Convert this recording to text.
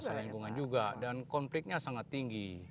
masalah lingkungan juga dan konfliknya sangat tinggi